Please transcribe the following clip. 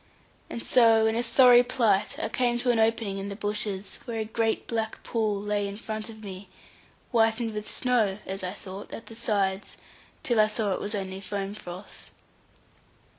And so, in a sorry plight, I came to an opening in the bushes, where a great black pool lay in front of me, whitened with snow (as I thought) at the sides, till I saw it was only foam froth.